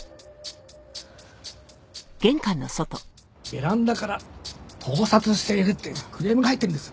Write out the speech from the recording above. ベランダから盗撮しているっていうクレームが入ってるんです。